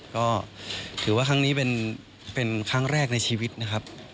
ก็ถือว่าครั้งนี้เป็นครั้งแรกในชีวิตนะครับ